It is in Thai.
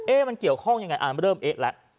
เอ๊ะมันเกี่ยวข้องยังไงเริ่มเอ๊ะแหละ